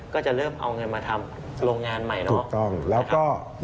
ก็จะเริ่มเอาเงินมาทำโรงงานใหม่เนาะ